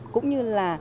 cũng như là